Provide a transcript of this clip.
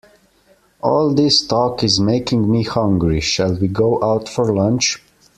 All this talk is making me hungry, shall we go out for lunch?